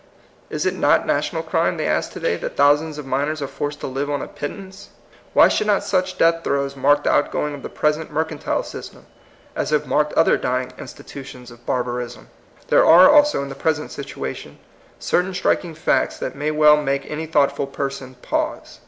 Is it not national crime, they ask to day, that thousands of miners are forced to live on a pittance? Why should not such death throes mark the outgoing of the present mercantile system as have marked other dying institutions of barbarism ? There are also in the present situation certain striking facts that may well make any thoughtful person pause.